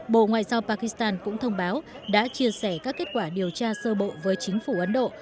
bộ ngoại giao pakistan cũng thông báo đã chia sẻ các kết quả điều tra sơ bộ với chính phủ ấn độ